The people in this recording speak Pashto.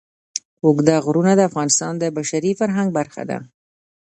اوږده غرونه د افغانستان د بشري فرهنګ برخه ده.